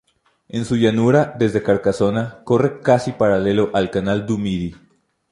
En su llanura, desde Carcasona, corre casi paralelo al Canal du Midi.